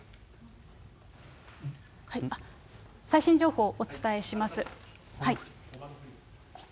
最新情報をお伝えします。